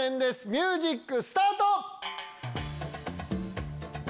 ミュージックスタート！